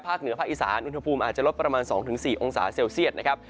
เหนือภาคอีสานอุณหภูมิอาจจะลดประมาณ๒๔องศาเซลเซียตนะครับ